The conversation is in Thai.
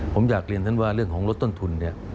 ผมอยากเรียนท่านว่าเรื่องของลดต้นทุนเนี่ย